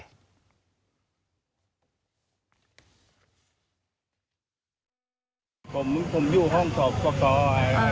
ผมอยู่ห้องสอบสกอยู่ห้องขังไข่ให้มันอะไร